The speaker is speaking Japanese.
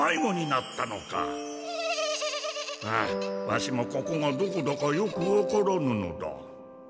ワシもここがどこだかよくわからぬのだ。